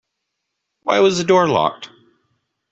Why was the door locked?